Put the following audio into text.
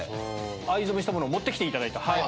藍染めしたものを持って来ていただいた。